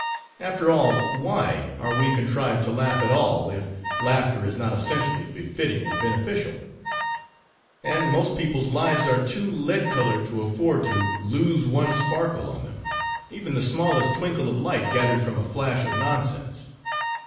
After all, why are we contrived to laugh at all, if laughter is not essentially befitting and beneficial? and most people's lives are too lead coloured to afford to lose one sparkle on them, even the smallest twinkle of light gathered from a flash of nonsense.